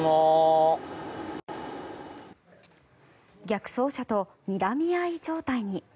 逆走車とにらみ合い状態に。